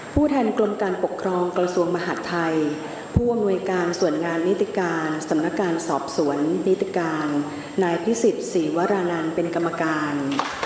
ผู้แทนกรมการปกครองกระทรวงมหาดไทยผู้อำนวยการส่วนงานนิติการสำนักการสอบสวนนิติการนายพิสิทธิ์ศรีวรานันเป็นกรรมการ